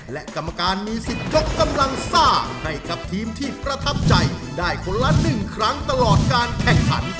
และกรรมการมีสิทธิ์ยกกำลังซ่าให้กับทีมที่ประทับใจได้คนละ๑ครั้งตลอดการแข่งขัน